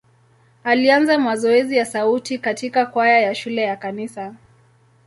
Alianza mazoezi ya sauti katika kwaya ya shule na kanisa.